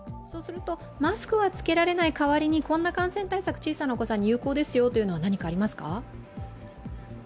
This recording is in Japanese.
そうするとマスクは着けられない代わりに、こんな感染対策があるというのは小さなお子さんに有効ですよというものはありますか？